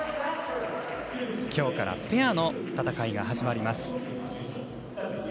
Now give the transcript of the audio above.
きょうからペアの戦いが始まります。